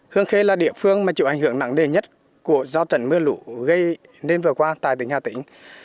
hương khê là địa phương mà chịu ảnh hưởng nặng đề nhất của do trận mưa lũ gây nên vừa qua tại tỉnh hà tĩnh